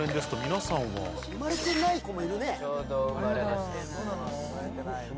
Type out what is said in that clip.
生まれてない子もいるね。